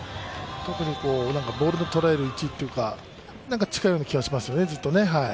特にボールを捉える位置というか、なんか近いような気がしますよね。